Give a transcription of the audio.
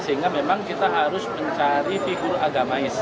sehingga memang kita harus mencari figur agama isu